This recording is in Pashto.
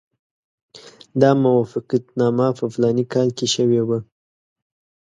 دا موافقتنامه په فلاني کال کې شوې وه.